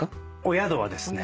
宿はですね